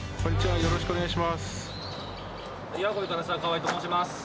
よろしくお願いします。